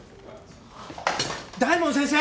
大門先生！？